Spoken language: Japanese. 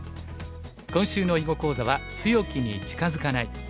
今週の囲碁講座は「強きに近づかない」。